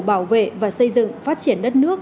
bảo vệ và xây dựng phát triển đất nước